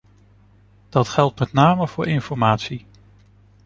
Dat geldt met name voor informatie.